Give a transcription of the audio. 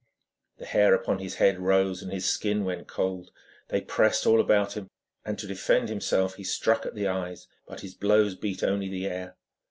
The hair upon his head rose, and his skin went cold. They pressed all about him, and to defend himself he struck at the eyes, but his blows beat only the air.